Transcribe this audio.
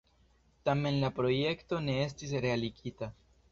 Tamen la projekto ne estis realigita.